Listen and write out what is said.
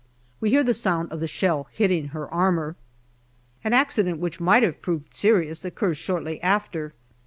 We hear the sound of the shell hitting her armour. An accident which might have proved serious occurs shortly after.